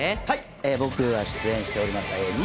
はい、僕が出演しております